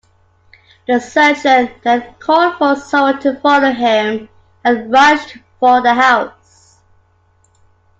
The sergeant then called for someone to follow him and rushed for the house.